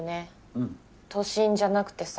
都心じゃなくてさ。